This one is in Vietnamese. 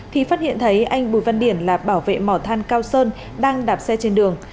thì phát hiện thấy anh bùi văn điển là bảo vệ mỏ than cao sơn đang đạp xe trên đường